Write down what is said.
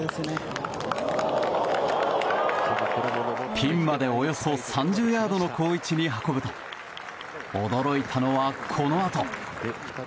ピンまでおよそ３０ヤードの好位置に運ぶと驚いたのはこのあと。